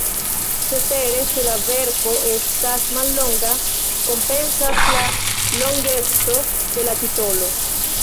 Cetere, se la verko estas mallonga, kompensas la longeco de la titolo.